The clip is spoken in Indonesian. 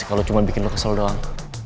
kalau cuma bikin lo kesel doang